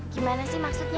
gimana sih maksudnya